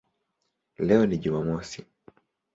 Leo ni Jumamosi".